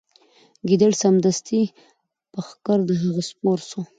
ګیدړ سمدستي پر ښکر د هغه سپور سو